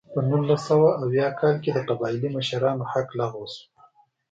په نولس سوه اویا کال کې د قبایلي مشرانو حق لغوه شو.